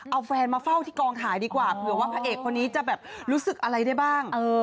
เอาแฟนมาเฝ้าที่กองถ่ายดีกว่าเผื่อว่าพระเอกคนนี้จะแบบรู้สึกอะไรได้บ้าง